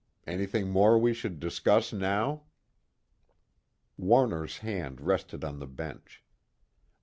Anything more we should discuss now?" Warner's hand rested on the bench.